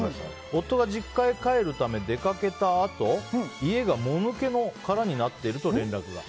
夫が実家へ帰るため出かけたあと家が、もぬけの殻になっていると連絡が。